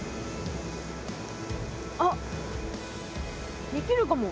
あっできるかも。